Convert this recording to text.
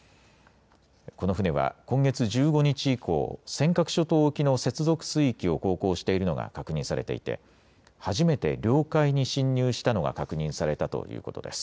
この船は今月１５日以降、尖閣諸島沖の接続水域を航行しているのが確認されていて、初めて領海に侵入したのが確認されたということです。